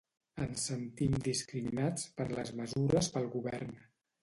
Ens sentim discriminats per les mesures pel govern.